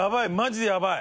やばい！